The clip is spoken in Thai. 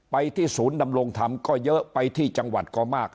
ไปที่ศูนย์ดำรงธรรมก็เยอะไปที่จังหวัดก็มาก